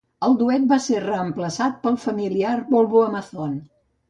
El Duett va ser reemplaçat pel familiar Volvo Amazon.